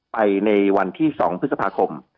ในวันที่๒พฤษภาคม